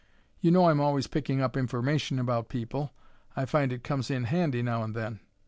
You know I'm always picking up information about people I find it comes in handy now and then.